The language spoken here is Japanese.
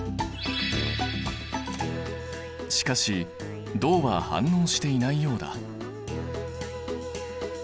しかし銅は反応していないようだ。